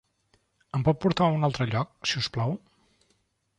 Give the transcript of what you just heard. Em pot portar un altre lloc, si us plau?